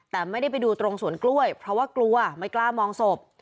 แต่ไม่ได้ไปดูตรงสวนกล้วยเพราะว่ากลัวไม่กล้ามองศพ